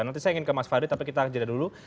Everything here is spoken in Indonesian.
nanti saya ingin ke mas fadli tapi kita jeda dulu